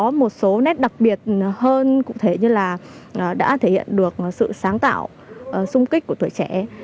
có một số nét đặc biệt hơn cụ thể như là đã thể hiện được sự sáng tạo sung kích của tuổi trẻ